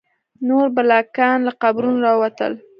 نور بلاګان له قبرونو راوتل.